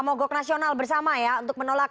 mogok nasional bersama ya untuk menolak